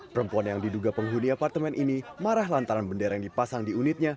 perempuan yang diduga penghuni apartemen ini marah lantaran bendera yang dipasang di unitnya